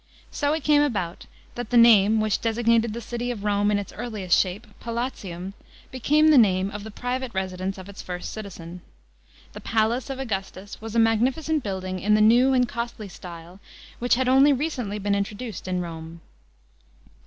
So it came about that the name which designated the city of Rome in i'S earliest shape, Palatium, became the name of the private residence of its first citizen. The palace of Augustus was a magnificent building in the new and costly style whicu had only recently b^en introduced in Rome.